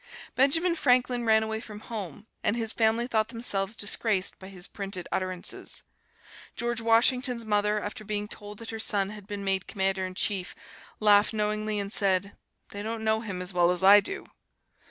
Benjamin Franklin ran away from home, and his family thought themselves disgraced by his printed utterances. George Washington's mother, after being told that her son had been made Commander in Chief, laughed knowingly and said, "They don't know him as well as I do!"